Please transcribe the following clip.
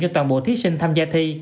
cho toàn bộ thí sinh tham gia thi